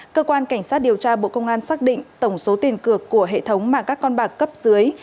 cơ quan cảnh sát điều tra bộ công an xác định tổng số tiền cược của hệ thống mà các con bạc cấp dưới